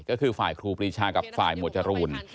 ก็คือฝ่ายครูปรีชากับฝ่ายหมวดจรูน